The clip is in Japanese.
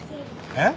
えっ？